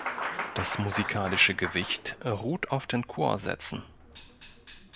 Das musikalische Gewicht ruht auf den Chorsätzen.